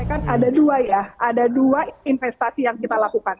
kan ada dua ya ada dua investasi yang kita lakukan